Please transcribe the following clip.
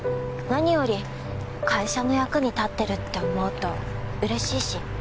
何より会社の役に立ってるって思うとうれしいし。